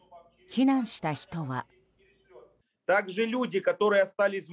避難した人は。